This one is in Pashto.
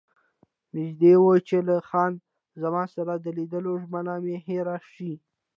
نژدې وو چې له خان زمان سره د لیدو ژمنه مې هېره شي.